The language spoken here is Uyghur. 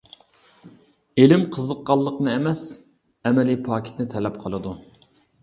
ئىلىم قىزىققانلىقنى ئەمەس، ئەمەلىي پاكىتنى تەلەپ قىلىدۇ.